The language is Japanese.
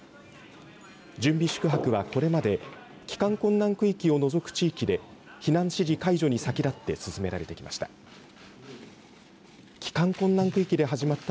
準備宿泊はこれまで帰還困難区域を除く区域で避難指示解除に先立って進められてきました。